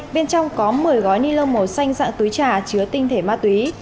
bên trong có một mươi gói ni lông màu xanh dạng túi trà chứa tinh thể ma túy